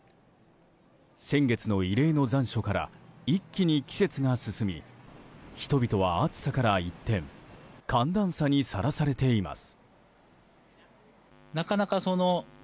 先月の異例の残暑から一気に季節が進み人々は暑さから一転寒暖差にさらされています。